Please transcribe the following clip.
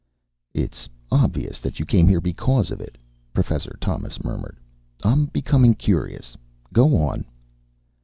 "It's obvious that you came here because of it," Professor Thomas murmured. "I'm becoming curious. Go on."